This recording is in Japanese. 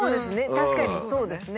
確かにそうですね。